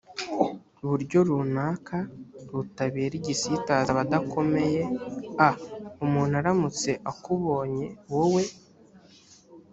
buryo runaka butabera igisitaza abadakomeye a umuntu aramutse akubonye wowe